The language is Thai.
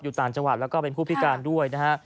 แล้วก็เป็นผู้พิการด้วยนะฮะ